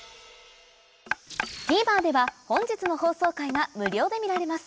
ＴＶｅｒでは本日の放送回が無料で見られます